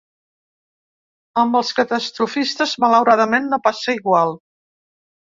Amb els catastrofistes, malauradament, no passa igual.